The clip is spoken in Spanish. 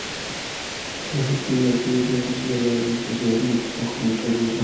La festividad sigue siendo celebrada con entusiasmo entre la juventud rusa.